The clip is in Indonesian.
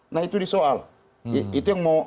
nah itu disoal itu yang mau